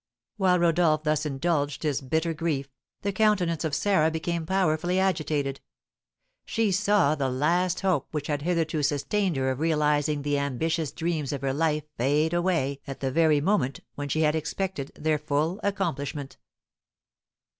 While Rodolph thus indulged his bitter grief, the countenance of Sarah become powerfully agitated; she saw the last hope which had hitherto sustained her of realising the ambitious dreams of her life fade away at the very moment when she had expected their full accomplishment.